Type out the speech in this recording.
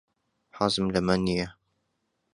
حەزم لەمە نییە.